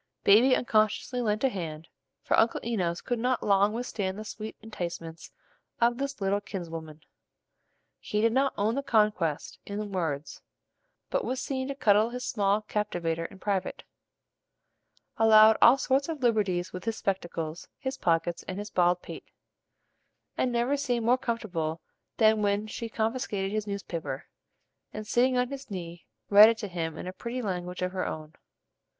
Baby unconsciously lent a hand, for Uncle Enos could not long withstand the sweet enticements of this little kinswoman. He did not own the conquest in words, but was seen to cuddle his small captivator in private; allowed all sorts of liberties with his spectacles, his pockets, and bald pate; and never seemed more comfortable than when she confiscated his newspaper, and sitting on his knee read it to him in a pretty language of her own.